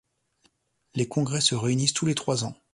Les congrès se réunissent tous les trois ans.